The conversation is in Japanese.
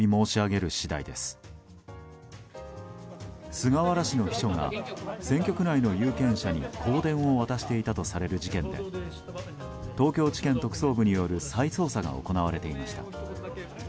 菅原氏の秘書が選挙区内の有権者に香典を渡していたとされる事件で東京地検特捜部による再捜査が行われていました。